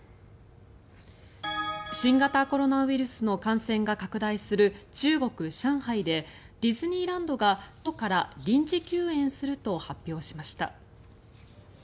新型コロナウイルスの感染が拡大する中国・上海でディズニーランドが今日から臨時休園すると発表しました。